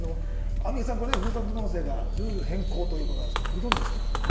アンミカさん、ふるさと納税のルール変更ということなんですけれども、ご存じでした？